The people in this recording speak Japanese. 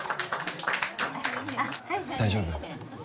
大丈夫？